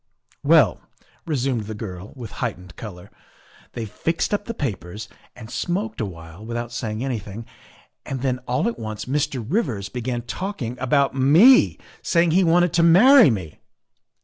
" Well," resumed the girl, with heightened color, 124 THE WIFE OF " they fixed up the papers and smoked awhile without saying anything, and then all at once Mr. Rivers began talking about me, saying he wanted to marry me.